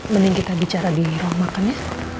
mending kita bicara di ruang makan ya